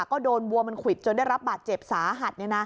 ก็โดนวัวมันควิดจนได้รับบาดเจ็บสาหัส